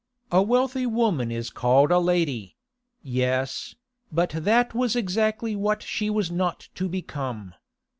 A wealthy woman is called a lady; yes, but that was exactly what she was not to become.